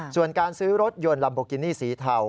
ส่วนการซื้อรถยนต์ลัมโบกินี่สีเทา